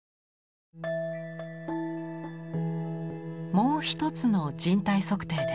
もう一つの「人体測定」です。